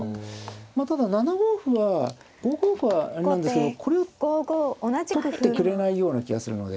まあただ７五歩は５五歩はあれなんですけどこれ取ってくれないような気がするので。